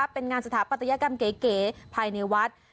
เป็นงานสถาปัตยกรรมเก๋ภายในวัด